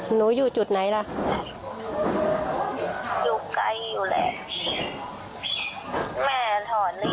หนูอยู่กับใครตอนนี้